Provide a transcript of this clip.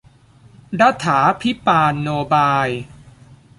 รัฏฐาภิปาลโนบาย